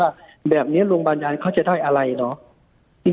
ว่าแบบนี้โรงพยาบาลยานเขาจะได้อะไรเนาะ